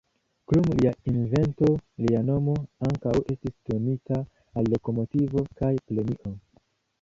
Krom lia invento, lia nomo ankaŭ estis donita al lokomotivo kaj premio.